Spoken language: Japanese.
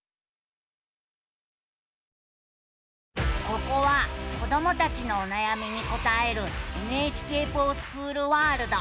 ここは子どもたちのおなやみに答える「ＮＨＫｆｏｒＳｃｈｏｏｌワールド」。